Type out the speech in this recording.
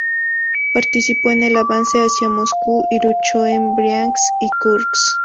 Participó en el avance hacia Moscú y luchó en Briansk y Kursk.